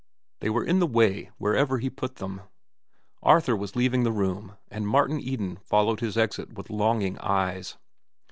They were in the way wherever he put them. Arthur was leaving the room, and Martin Eden followed his exit with longing eyes.